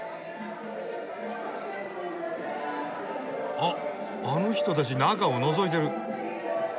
・あっあの人たち中をのぞいてる！